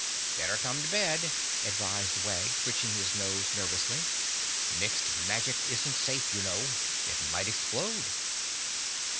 "Better come to bed," advised Wag, twitching his nose nervously. "Mixed Magic isn't safe, you know. It might explode."